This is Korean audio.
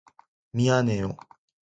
미안해요.